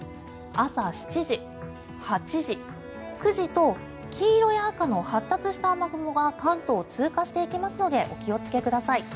朝７時、８時、９時と黄色や赤の発達した雨雲が関東を通過していきますのでお気をつけください。